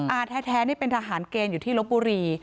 แท้นี่เป็นทหารเกณฑ์อยู่ที่ลบบุรี